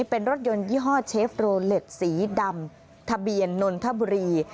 เป็นรถยนต์ยี่ห้อเชฟโรเล็ตสีดำทะเบียนนนทบุรี